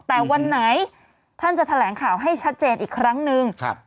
แต่วันไหนท่านจะแถลงข่าวให้ชัดเจนอีกครั้งนึง